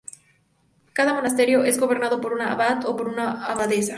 Cada monasterio es gobernado por una abad o por una abadesa.